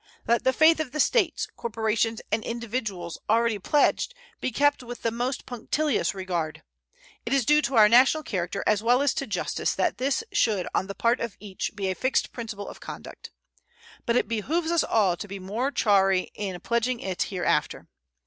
Let the faith of the States, corporations, and individuals already pledged be kept with the most punctilious regard. It is due to our national character as well as to justice that this should on the part of each be a fixed principle of conduct. But it behooves us all to be more chary in pledging it hereafter.